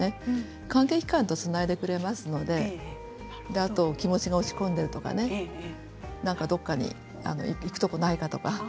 関係機関とつないでくれますのであと、気持ちが落ち込んでいるとかどこか行くところがないかとか。